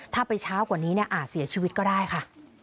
ถ้าไปช้ากว่านี้เนี่ยอาจเสียชีวิตก็ได้ค่ะ